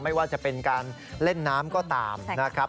ไม่ว่าจะเป็นการเล่นน้ำก็ตามนะครับ